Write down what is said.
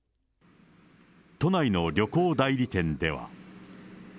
都内の旅行代理店では。